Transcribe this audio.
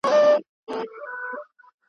مور او پلار چي زاړه سي تر شکرو لا خواږه سي